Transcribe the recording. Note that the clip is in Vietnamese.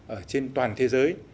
ở trên toàn thế giới